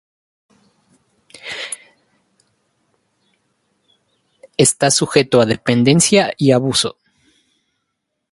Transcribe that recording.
Está sujeto a dependencia y abuso.